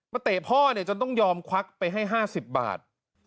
มาเตะพ่อจะต้องยอมควักไปให้๕๐บาท